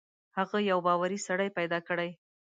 هغه یو باوري سړی پیدا کړي.